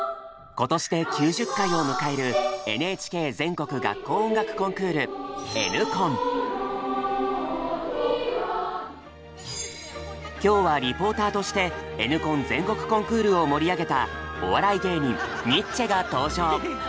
今年で９０回を迎える今日はリポーターとしてＮコン全国コンクールを盛り上げたお笑い芸人ニッチェが登場。